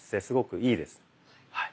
すごくいいです。